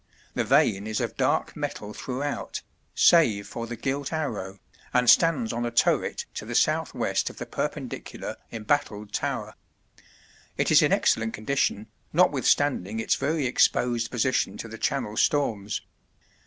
The vane is of dark metal throughout, save for the gilt arrow, and stands on a turret to the south west of the Perpendicular embattled tower. It is in excellent condition, notwithstanding its very exposed position to the Channel storms.